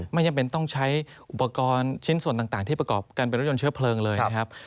ไม่จำเป็นต้องใช้อุปกรณ์ชิ้นส่วนต่างที่ประกอบกันเป็นรถยนต์เชื้อเพลิงเลยนะครับ